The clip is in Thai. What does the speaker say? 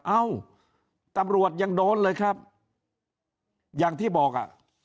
เอ้าตำรวจยังโดนเลยครับอย่างที่บอกอ่ะ